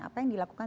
apa yang dilakukan